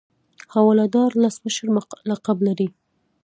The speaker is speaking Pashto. حواله دار لس مشر لقب لري.